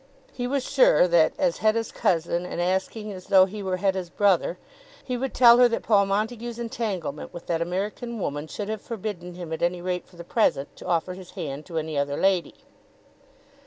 He was sure that, as Hetta's cousin and acting as though he were Hetta's brother, he would tell her that Paul Montague's entanglement with that American woman should have forbidden him at any rate for the present to offer his hand to any other lady.